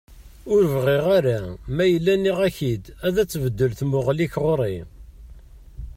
Ur bɣiɣ ara ma yella nniɣ-ak-t-id ad tbeddel tmuɣli-k ɣur-i!